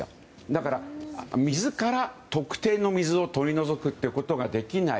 だから、水から特定の水を取り除くことができない。